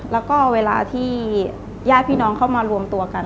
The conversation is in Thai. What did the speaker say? แล้วก็เวลาที่ญาติพี่น้องเข้ามารวมตัวกัน